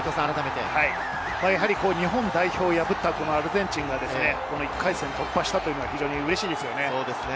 日本代表を破ったアルゼンチンが、１回戦を突破したというのが嬉しいですよね。